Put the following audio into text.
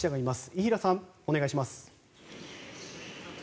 伊平さん、お願いします。